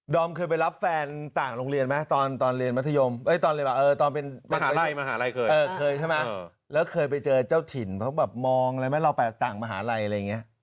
เคยไปรับแฟนต่างโรงเรียนไหมตอนเรียนมัธยมตอนเป็นเคยใช่ไหมแล้วเคยไปเจอเจ้าถิ่นเพราะแบบมองอะไรไหมเราไปต่างมหาลัยอะไรอย่างนี้